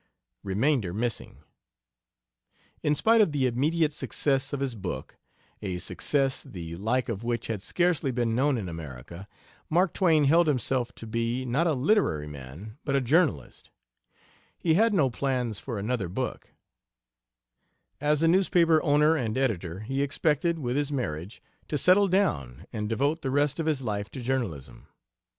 (Remainder missing.) In spite of the immediate success of his book a success the like of which had scarcely been known in America Mark Twain held himself to be, not a literary man, but a journalist: He had no plans for another book; as a newspaper owner and editor he expected, with his marriage, to settle down and devote the rest of his life to journalism.